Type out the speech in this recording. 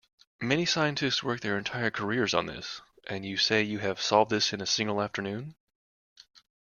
Many scientists work their entire careers on this, and you say you have solved this in a single afternoon?